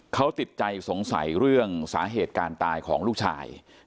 เขาติดใจสงสัยเรื่องสาเหตุการตายของลูกชาย